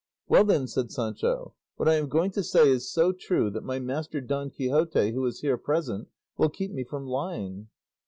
"Well then," said Sancho, "what I am going to say is so true that my master Don Quixote, who is here present, will keep me from lying."